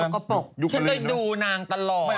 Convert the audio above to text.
เขาบอกชนตะดูนางตลอด